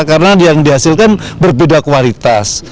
karena yang dihasilkan berbeda kualitas